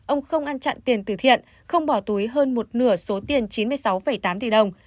ông không ăn chặn tiền từ thiện không bỏ túi hơn một nửa số tiền chín mươi sáu tám tỷ đồng